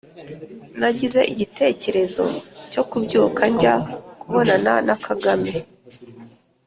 nagize igitekerezo cyo kubyuka njya kubonana na kagame